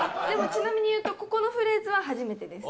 ちなみに言うとここのフレーズは初めてです。